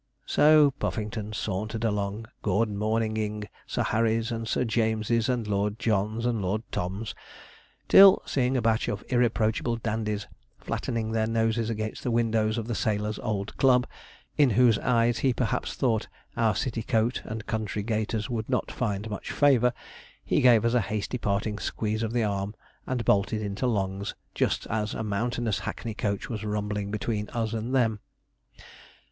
So Puffington sauntered along, good morninging 'Sir Harrys' and 'Sir Jameses,' and 'Lord Johns' and 'Lord Toms,' till, seeing a batch of irreproachable dandies flattening their noses against the windows of the Sailors' Old Club, in whose eyes, he perhaps thought, our city coat and country gaiters would not find much favour, he gave us a hasty parting squeeze of the arm and bolted into Long's just as a mountainous hackney coach was rumbling between us and them.